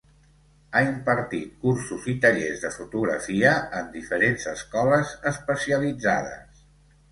Ha impartit cursos i tallers de fotografia en diferents escoles especialitzades.